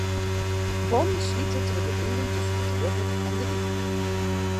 Bannen slite troch de wriuwing tusken it rubber en de dyk.